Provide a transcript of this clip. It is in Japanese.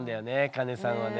カネさんはね。